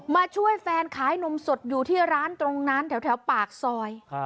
ช่วยแฟนขายนมสดอยู่ที่ร้านตรงนั้นแถวปากซอย